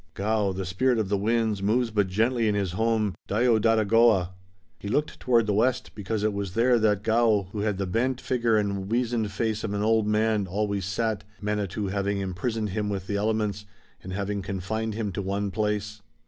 "Gaoh, the spirit of the Winds, moves but gently in his home, Dayodadogowah." He looked toward the west, because it was there that Gaoh, who had the bent figure and weazened face of an old man, always sat, Manitou having imprisoned him with the elements, and having confined him to one place.